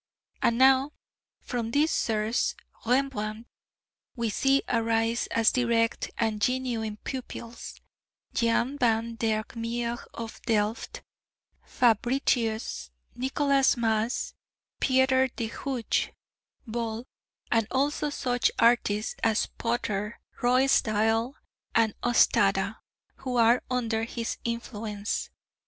And now from this source Rembrandt, we see arise as direct and genuine pupils: Jan van der Meer of Delft, Fabritius, Nicholas Maës, Pieter de Hooch, Bol; as also such artists as Potter, Ruysdael, and Ostade, who are under his influence.